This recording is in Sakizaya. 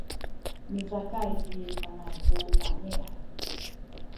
micakay ci Panay tu lami’.